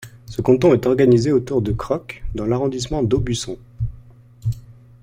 Ce canton est organisé autour de Crocq dans l'arrondissement d'Aubusson.